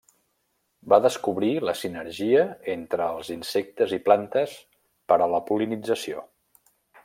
Va descobrir la sinergia entre insectes i plantes per a la pol·linització.